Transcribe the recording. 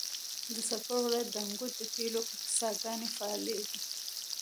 د سرپل ولایت د انګوت د تیلو څاګانې فعالې دي.